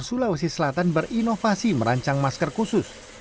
dan sulawesi selatan berinovasi merancang masker khusus